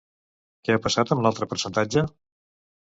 Què ha passat amb l'altre percentatge?